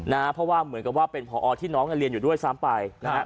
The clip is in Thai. เพราะว่าเหมือนกับว่าเป็นพอที่น้องเรียนอยู่ด้วยซ้ำไปนะฮะ